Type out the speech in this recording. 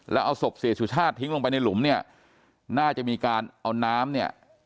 แล้วเอาศพเสียสุชาติทิ้งลงไปในหลุมเนี่ยน่าจะมีการเอาน้ำเนี่ย